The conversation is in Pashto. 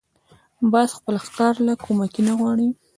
باز خپل ښکار له کومکي نه غواړي